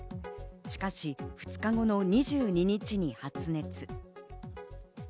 しかし２日後の２２日に発熱。